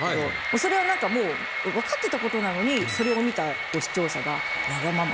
それはなんかもう分かってたことなのにそれを見た視聴者がワガママ。